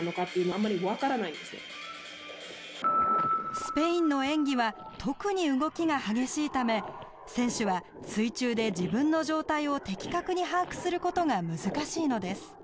スペインの演技は特に動きが激しいため選手は水中で自分の状態を的確に把握することが難しいのです。